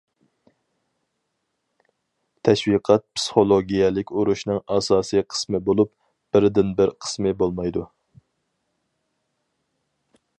تەشۋىقات پىسخولوگىيەلىك ئۇرۇشنىڭ ئاساسىي قىسمى بولۇپ، بىردىنبىر قىسمى بولمايدۇ.